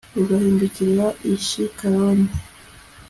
rugahindukirira i shikaroni